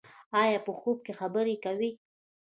ایا په خوب کې خبرې کوئ؟